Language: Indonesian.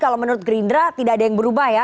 kalau menurut gerindra tidak ada yang berubah ya